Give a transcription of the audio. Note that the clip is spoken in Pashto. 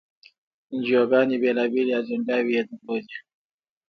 انجیوګانې بېلابېلې اجنډاوې یې درلودې.